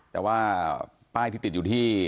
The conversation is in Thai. แต่ว่าป้ายที่ติดอยู่ที่